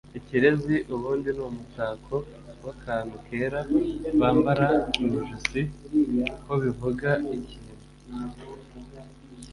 ikirezi: ubundi ni umutako w’akantu kera bambaraga mu ijosi ho bivuga ikintu